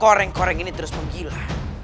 goreng koreng ini terus menggila